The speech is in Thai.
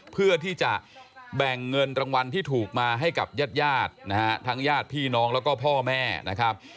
เพื่อที่จะแบ่งเงินรางวัลที่ถูกมาให้กับญาติญาตินะฮะทั้งญาติพี่น้องแล้วก็พ่อแม่นะครับ